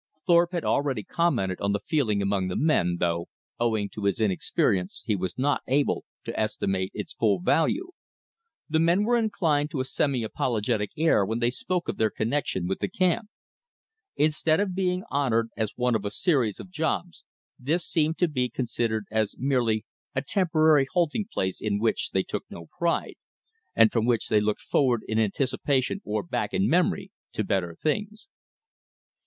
Thorpe had already commented on the feeling among the men, though, owing to his inexperience, he was not able to estimate its full value. The men were inclined to a semi apologetic air when they spoke of their connection with the camp. Instead of being honored as one of a series of jobs, this seemed to be considered as merely a temporary halting place in which they took no pride, and from which they looked forward in anticipation or back in memory to better things.